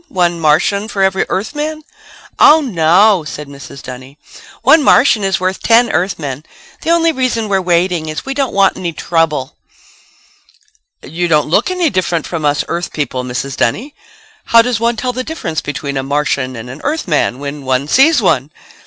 One Martian for every Earthman?" "Oh, no," said Mrs. Dunny, "one Martian is worth ten Earthmen. The only reason we're waiting is we don't want any trouble." "You don't look any different from us Earth people, Mrs. Dunny. How does one tell the difference between a Martian and an Earthman when one sees one?"